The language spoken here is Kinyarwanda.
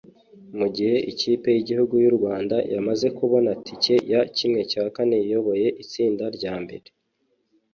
Mu gihe ikipe y’igihugu y’u Rwanda yamaze kubona tike ya ¼ iyoboye itsinda rya mbere